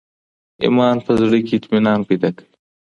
ایمان په زړه کي اطمینان پیدا کوي.